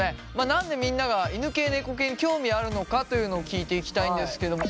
何でみんなが犬系・猫系に興味あるのかというのを聞いていきたいんですけども。